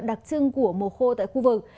đặc trưng của mùa khô tại khu vực